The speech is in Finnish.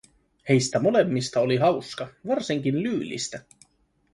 Heistä molemmista oli hauska, varsinkin Lyylistä.